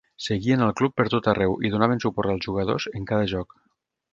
Seguien al club per tot arreu i donaven suport als jugadors en cada joc.